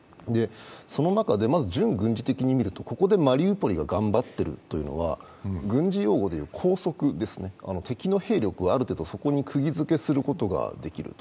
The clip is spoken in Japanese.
その中で、まず準軍事的に見ると、ここでマリウポリが頑張っているというのは軍事用語で言う拘束ですね、敵の兵力をある程度そこにくぎ付けすることができる。